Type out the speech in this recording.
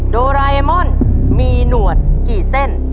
โดราเอมอนมีหนวดกี่เส้น